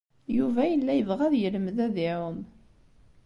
Yuba yella yebɣa ad yelmed ad iɛum.